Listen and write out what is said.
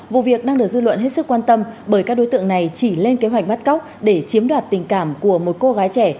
vụ việc đang được dư luận hết sức quan tâm bởi các đối tượng này chỉ lên kế hoạch bắt cóc để chiếm đoạt tình cảm của một cô gái trẻ